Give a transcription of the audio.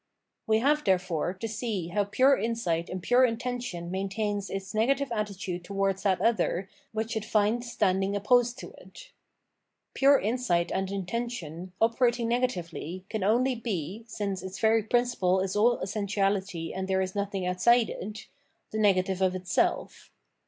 We have, therefore, to see how pure insight and pure intention maintains its negative attitude towards that other which it finds standing opposed to it. Pure insight and intention, operating negatively, can only be, — since its very principle is all essentiality and there is nothing outside it — the negative of itself.